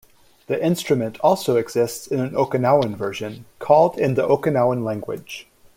The instrument also exists in an Okinawan version, called in the Okinawan language.